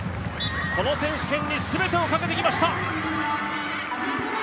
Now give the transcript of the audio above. この選手権に全てを賭けてきました。